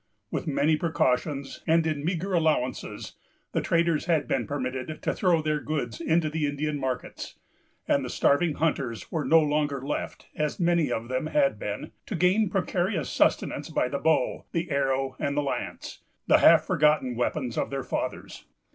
With many precautions, and in meagre allowances, the traders had been permitted to throw their goods into the Indian markets; and the starving hunters were no longer left, as many of them had been, to gain precarious sustenance by the bow, the arrow, and the lance——the half forgotten weapons of their fathers.